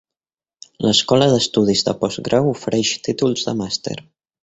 L'Escola d'estudis de postgrau ofereix títols de màster.